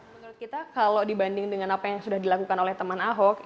menurut kita kalau dibanding dengan apa yang sudah dilakukan oleh teman ahok